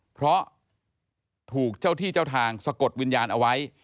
เพราะถูกเจ้าที่เจ้าทางสะกดวิญญาณเอาไว้